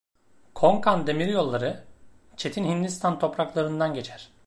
Konkan Demiryolları, çetin Hindistan topraklarından geçer.